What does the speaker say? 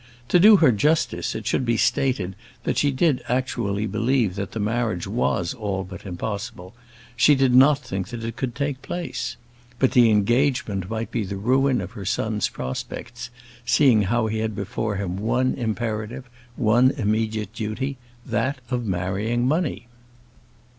To do her justice, it should be stated, that she did actually believe that the marriage was all but impossible; she did not think that it could take place. But the engagement might be the ruin of her son's prospects, seeing how he had before him one imperative, one immediate duty that of marrying money.